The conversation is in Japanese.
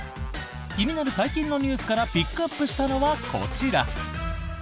気になる最近のニュースからピックアップしたのはこちら。